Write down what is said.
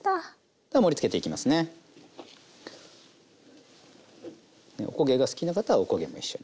では盛りつけていきますね。ねおこげが好きな方はおこげも一緒に。